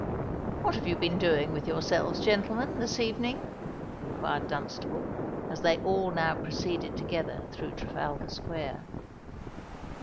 "What have you been doing with yourselves, gentlemen, this evening?" inquired Dunstable, as they all now proceeded together through Trafalgar Square.